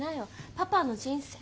パパの人生